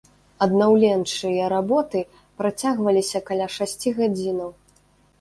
Аднаўленчыя работы працягваліся каля шасці гадзінаў.